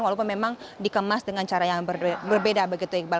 walaupun memang dikemas dengan cara yang berbeda begitu iqbal